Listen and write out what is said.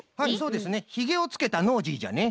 ヒゲをつけたノージーじゃね。